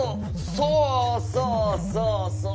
そうそうそうそう。